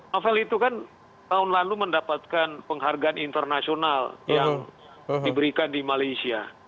novel itu kan tahun lalu mendapatkan penghargaan interoperatif